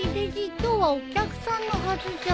今日はお客さんのはずじゃ。